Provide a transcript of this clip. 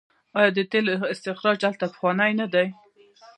آیا د تیلو استخراج هلته پخوانی نه دی؟